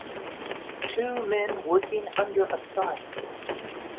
Two men working under a sign.